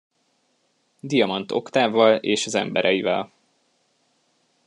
Diamant Oktávval és az embereivel.